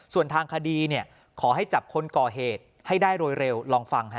ส่วนทางคดีขอให้จับคนก่อเหตุให้ได้โดยเร็วลองฟัง